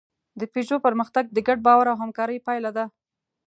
د پيژو پرمختګ د ګډ باور او همکارۍ پایله ده.